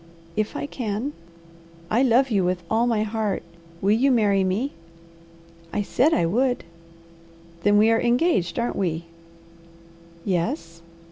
"If I can." "I love you with all my heart. Will you marry me?" "I said I would." "Then we are engaged, aren't we?" "Yes."